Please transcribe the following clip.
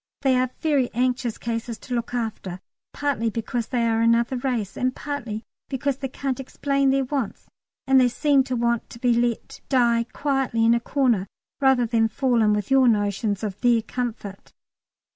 They are very anxious cases to look after, partly because they are another race and partly because they can't explain their wants, and they seem to want to be let die quietly in a corner rather than fall in with your notions of their comfort.